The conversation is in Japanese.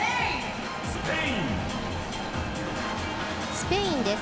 スペインです。